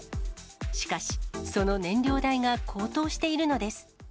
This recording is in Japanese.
しかし、その燃料代が高騰しているのです。